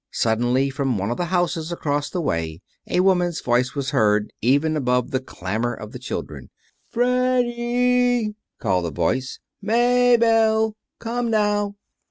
Suddenly, from one of the houses across the way, a woman's voice was heard, even above the clamor of the children. "Fred dee!" called the voice. "Maybelle! Come, now."